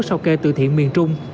sau kê từ thiện miền trung